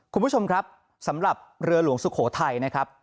คุณผู้ชมครับสำหรับเรือหลวงสุโขทัยนะครับ